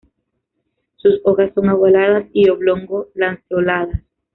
Sus hojas son ovaladas y oblongo-lanceoladas.